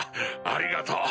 ありがとう！